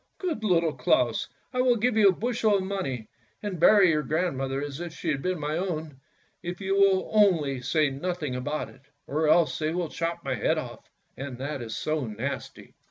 Good Little Claus, I will give you a bushel of money, and bury your grandmother as if she had been my own, if you will only say nothing about it, or else they will chop my head off, and that is so nasty."